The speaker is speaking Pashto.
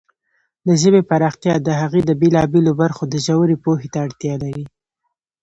د ژبې پراختیا د هغې د بېلابېلو برخو د ژورې پوهې ته اړتیا لري.